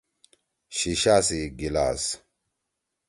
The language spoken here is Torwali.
شیِشا سی گلاس۔